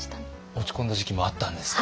落ち込んだ時期もあったんですか？